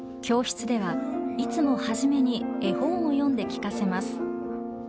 教室ではいつも初めに絵本を読んで聞かせます。